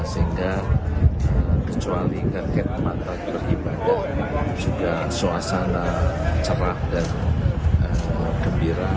sehingga kecuali kaget mata beribadah juga suasana cerah dan gembira